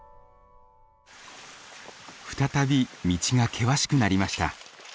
再び道が険しくなりました。